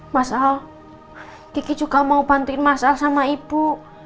mas al kiki juga mau bantuin masal sama ibu